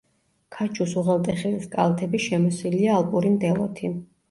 ქაჩუს უღელტეხილის კალთები შემოსილია ალპური მდელოთი.